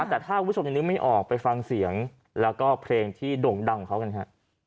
แต่ถ้าคุณผู้ชมยังนึกไม่ออกไปฟังเสียงแล้วก็เพลงที่โด่งดังของเขากันฮะ